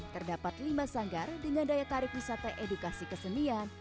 terdapat lima sanggar dengan daya tarik wisata edukasi kesenian